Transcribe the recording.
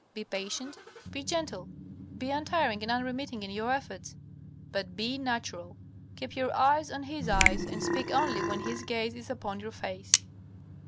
Be patient, be gentle, be untiring and unremitting in your efforts, but BE NATURAL. _Keep your eyes on his eyes and speak only when his gaze is upon your face.